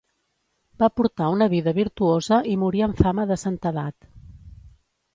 Va portar una vida virtuosa i morí amb fama de santedat.